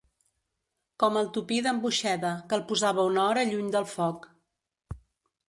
Com el tupí d'en Boixeda, que el posava una hora lluny del foc.